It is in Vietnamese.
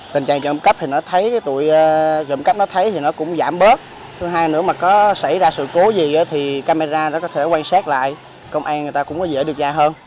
thứ hai nữa mà có xảy ra sự cố gì thì camera nó có thể quan sát lại công an người ta cũng có dễ điều tra hơn